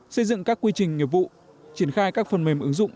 xây dựng các quy trình nghiệp vụ triển khai các phần mềm ứng dụng